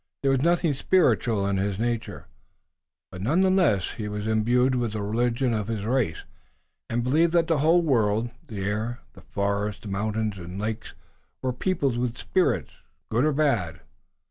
There was nothing spiritual in his nature, but none the less he was imbued with the religion of his race, and believed that the whole world, the air, the forests, the mountains, and the lakes were peopled with spirits, good or bad.